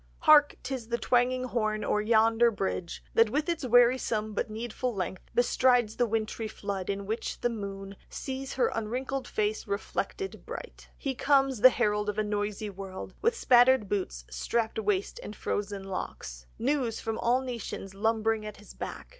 "Hark! 'Tis the twanging horn! O'er yonder bridge That with its wearisome but needful length Bestrides the wintry flood, in which the moon Sees her unwrinkled face reflected bright; He comes, the herald of a noisy world, With spattered boots, strapped waist, and frozen locks, News from all nations lumbering at his back.